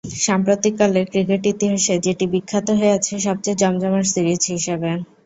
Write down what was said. সাম্প্রতিককালের cricket ইতিহাসে যেটি বিখ্যাত হয়ে আছে সবচেয়ে জমজমাট সিরিজ হিসেবে।